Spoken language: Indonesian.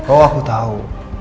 oh aku tau